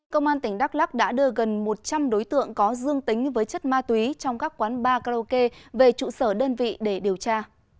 công an tỉnh đắk lắc đã đưa gần một trăm linh đối tượng có dương tính với chất ma túy trong các quán bar karaoke về trụ sở đơn vị để điều tra